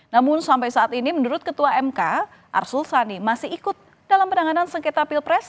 namun sampai saat ini menurut ketua mk arsul sani masih ikut dalam penanganan sengketa pilpres